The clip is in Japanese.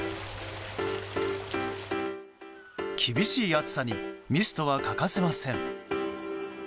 厳しい暑さにミストは欠かせません。